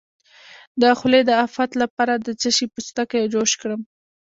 د خولې د افت لپاره د څه شي پوستکی جوش کړم؟